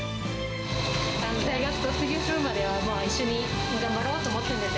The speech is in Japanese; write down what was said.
大学卒業するまでは、一緒に頑張ろうと思ってるんです。